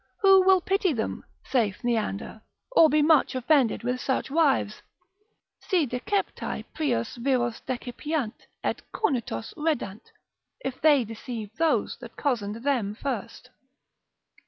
Who will pity them, saith Neander, or be much offended with such wives, si deceptae prius viros decipiant, et cornutos reddant, if they deceive those that cozened them first.